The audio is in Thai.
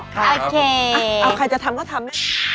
ครับโอเคครับผมอ่ะเอาใครจะทำก็ทำ